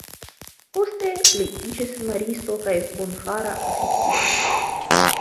Poste, li iĝis Maristo kaj Bonfara Oficisto.